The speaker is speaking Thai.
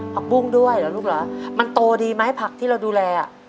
ปุ้งด้วยเหรอลูกเหรอมันโตดีไหมผักที่เราดูแลอ่ะ